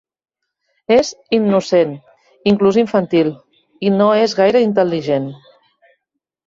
És innocent, inclús infantil, i no és gaire intel·ligent.